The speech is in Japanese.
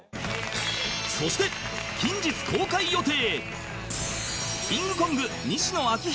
そして近日公開予定